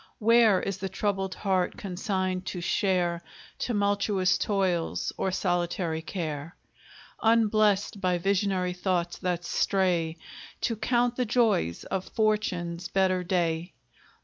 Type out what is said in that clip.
Where is the troubled heart consigned to share Tumultuous toils or solitary care, Unblest by visionary thoughts that stray To count the joys of Fortune's better day?